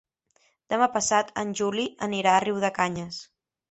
Demà passat en Juli anirà a Riudecanyes.